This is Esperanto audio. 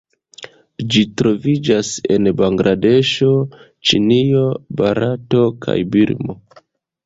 Ĝi troviĝas en Bangladeŝo, Ĉinio, Barato, kaj Birmo.